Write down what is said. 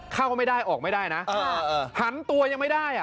เข้าไม่ได้ออกไม่ได้นะหันตัวยังไม่ได้อ่ะ